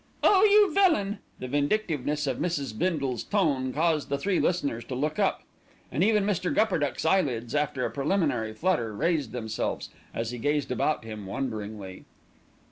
"Oh, you villain!" The vindictiveness of Mrs. Bindle's tone caused the three listeners to look up, and even Mr. Gupperduck's eyelids, after a preliminary flutter, raised themselves, as he gazed about him wonderingly.